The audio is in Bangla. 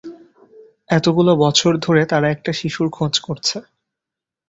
এতগুলো বছর ধরে তারা একটা শিশুর খোঁজ করছে।